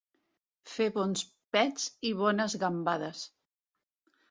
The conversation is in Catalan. Fer bons pets i bones gambades.